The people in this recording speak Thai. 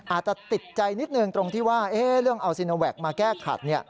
อาจจะติดใจนิดนึงตรงที่ว่าเรื่องเอาซีโนแวคมาแก้ขัด